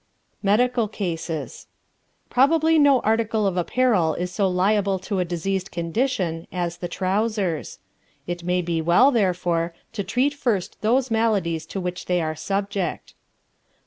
MEDICAL CASES Probably no article of apparel is so liable to a diseased condition as the trousers. It may be well, therefore, to treat first those maladies to which they are subject.